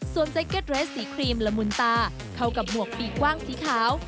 ส่วนไซเก็ตเรสสีครีมละมุนตาเข้ากับหมวกปีกกว้างสีขาว